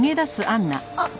あっ！